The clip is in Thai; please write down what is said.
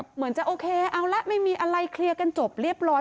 เหมือนจะโอเคเอาละไม่มีอะไรเคลียร์กันจบเรียบร้อย